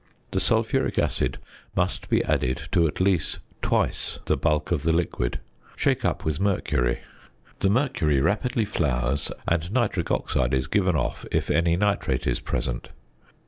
The sulphuric acid must be added to at least twice the bulk of the liquid. Shake up with mercury. The mercury rapidly flours, and nitric oxide is given off (if any nitrate is present).